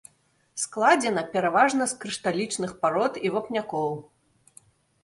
Складзена пераважна з крышталічных парод і вапнякоў.